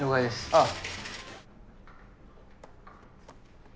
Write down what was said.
ああ。